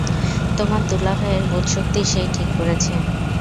তোমার দুলাভাইয়ের বোধশক্তি সেই ঠিক করেছে।